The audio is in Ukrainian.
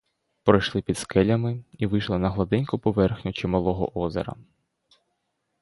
Пройшли під скелями і вийшли на гладеньку поверхню чималого озера.